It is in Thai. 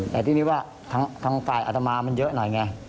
แต่ทีนี้ว่าทางฝ่ายอัตมามันเยอะหน่อยไง